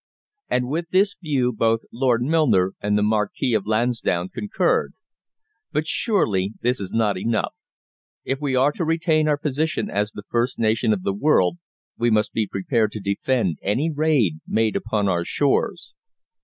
And with this view both Lord Milner and the Marquis of Lansdowne concurred. But surely this is not enough. If we are to retain our position as the first nation of the world we must be prepared to defend any raid made upon our shores.